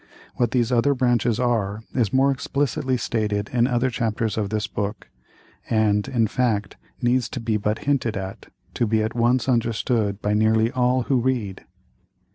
What these other branches are, is more explicitly stated in other chapters of this book, and, in fact, needs to be but hinted at, to be at once understood by nearly all who read.